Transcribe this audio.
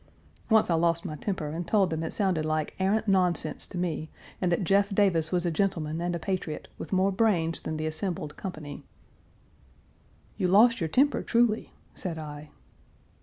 Once I lost my temper and told them it sounded like arrant nonsense to me, and that Jeff Davis was a gentleman and a patriot, with more brains than the assembled company." "You lost your temper truly," said I.